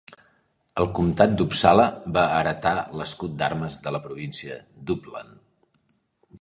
El Comtat d'Uppsala va heretar l'escut d'armes de la província d'Uppland.